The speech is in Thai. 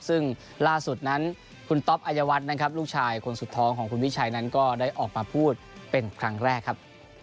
ซึ่งล่าสุดนั้นคุณต๊อปอายวัฒน์นะครับลูกชายคนสุดท้องของคุณวิชัยนั้นก็ได้ออกมาพูดเป็นครั้งแรกครับ